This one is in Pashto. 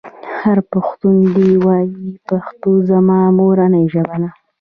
هر پښتون دې ووايي پښتو زما مورنۍ ژبه ده.